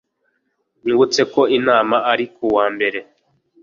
Unyibutse ko inama ari kuwa mbere